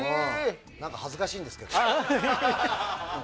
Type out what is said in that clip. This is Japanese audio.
何か、恥ずかしいんですけど。